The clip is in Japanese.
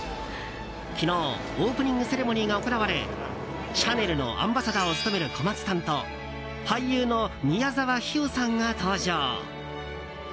昨日オープニングセレモニーが行われシャネルのアンバサダーを務める小松さんと俳優の宮沢氷魚さんが登場。